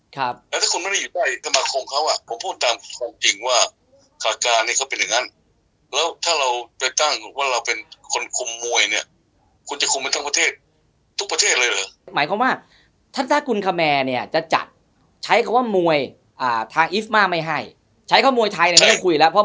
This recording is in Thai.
ใช้คำว่ามวยทางอิฟม่าไม่ให้ใช้คำว่ามวยไทยเนี่ยไม่ได้คุยแล้ว